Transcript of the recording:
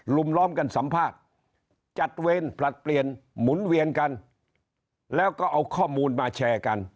ล้อมกันสัมภาษณ์จัดเวรผลัดเปลี่ยนหมุนเวียนกันแล้วก็เอาข้อมูลมาแชร์กัน